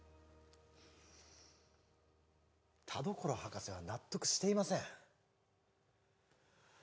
田所博士は納得していません